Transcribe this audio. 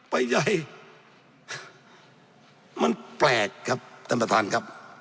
ไปใหญ่มันแปลกครับท่านประธานครับ